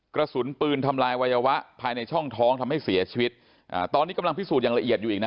กระสุนปืนทำลายวัยวะภายในช่องท้องทำให้เสียชีวิตอ่าตอนนี้กำลังพิสูจน์อย่างละเอียดอยู่อีกนะ